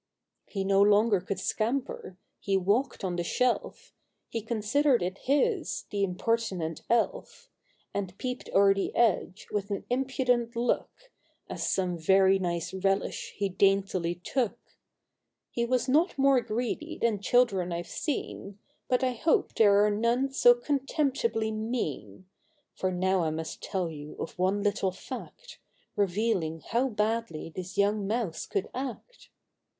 He no longer could scamper — he walked on the shelf — He considered it his, the impertinent elf; And peeped o'er the edge, with an impudent look, As some very nice relish he daintily took. He was not more greedy than children I've seen, But I hope there are none so contemptibly mean, For now I must tell you of one little fact, Bevealing how badly this young Mouse could act.